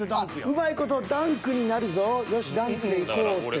うまい事ダンクになるぞよしダンクでいこうって。